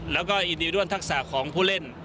แล้วก็อินดีด้วนทักษะของผู้เล่น